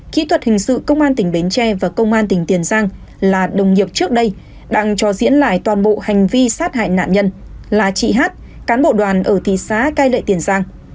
kỹ thuật hình sự công an tp hcm và công an tp hcm là đồng nghiệp trước đây đang cho diễn lại toàn bộ hành vi sát hại nạn nhân là chị hát cán bộ đoàn ở thị xá cai lệ tiền giang